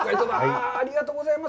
ありがとうございます。